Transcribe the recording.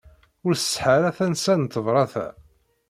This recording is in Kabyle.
Ur tṣeḥḥa ara tansa n tebrat-a.